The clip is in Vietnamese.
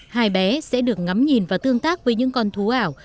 hai bé sẽ được ngắm nhìn và tương tác với những con thú ảo